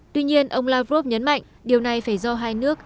tuy nhiên ông lavrov nhấn mạnh điều này phải do hai nước